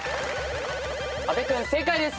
阿部君正解です。